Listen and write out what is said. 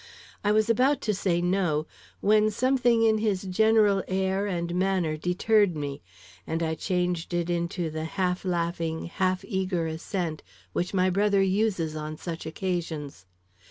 I was about to say No, when something in his general air and manner deterred me, and I changed it into the half laughing, half eager assent which my brother uses on such occasions.